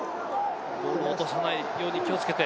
ボールを落とさないように気をつけて。